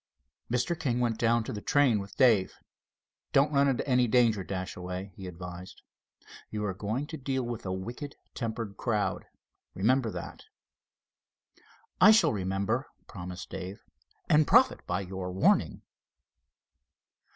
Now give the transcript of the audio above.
Mr. King went down to the train with Dave. "Don't run into any danger, Dashaway," he advised. "You are going to deal with a wicked tempered crowd, remember that." "I shall remember," promised Dave; "and profit by your warning."